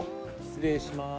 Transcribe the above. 失礼します。